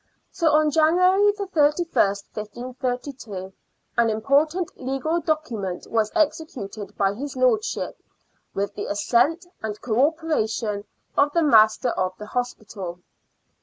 So on January 31st, 1532, an important legal document was executed by his lordship, with the assent and co operation of the master of the hospital.